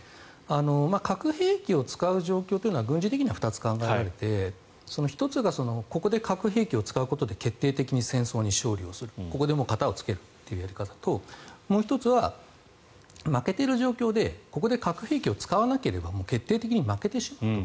核兵器を使う状況というのは軍事的には２つ考えられて１つがここで核兵器を使うことで決定的に戦争に勝利するここで片をつけるというやり方ともう１つは、負けている状況でここで核兵器を使わなければもう決定的に負けてしまうと。